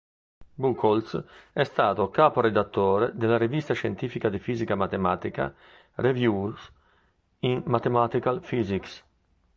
Buchholz è stato caporedattore della rivista scientifica di fisica matematica "Reviews in Mathematical Physics".